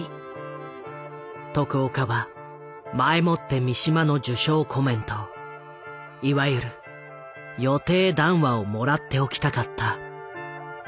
徳岡は前もって三島の受賞コメントいわゆる「予定談話」をもらっておきたかった。